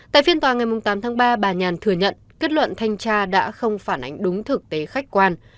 tại phiên tòa ngày tám tháng ba bà nhàn thừa nhận kết luận thanh tra đã không phản ánh đúng thực tế khách quan